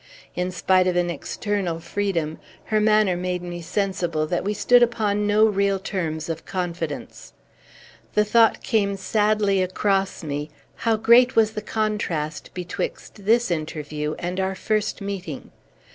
In spite of an external freedom, her manner made me sensible that we stood upon no real terms of confidence. The thought came sadly across me, how great was the contrast betwixt this interview and our first meeting.